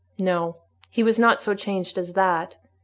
No, he was not so changed as that.